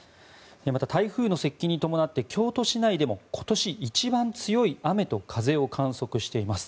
また、台風の接近に伴って京都市内でも今年一番強い雨と風を観測しています。